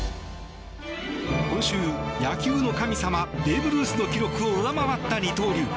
今週、野球の神様ベーブ・ルースの記録を上回った二刀流。